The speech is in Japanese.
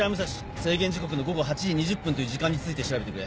制限時刻の午後８時２０分という時間について調べてくれ。